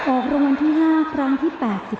ออกรางวัลที่๕ครั้งที่๘๔